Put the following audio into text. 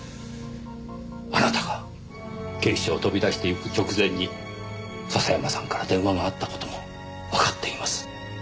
あなたが警視庁を飛び出していく直前に笹山さんから電話があった事もわかっています。